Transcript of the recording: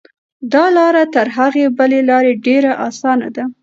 دا لاره تر هغې بلې لارې ډېره اسانه ده.